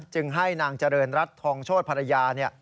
จึงให้นางเจริญรัฐทองโชธภรรยา